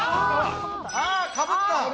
あー、かぶった。